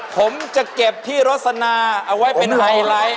ผมจะเก็บที่รสนาเอาไว้เป็นไฮไลท์